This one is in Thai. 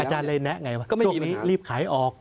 อาจารย์เลยแนะไงว่าช่วงนี้รีบขายออก